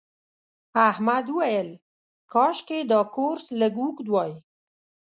احمد وویل کاشکې دا کورس لږ اوږد وای.